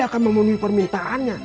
akan memenuhi permintaannya